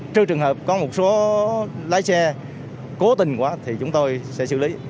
trừ trường hợp có một số lái xe cố tình quá thì chúng tôi sẽ xử lý